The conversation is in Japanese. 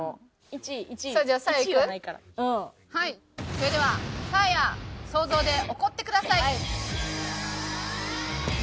それではサーヤ想像で怒ってください！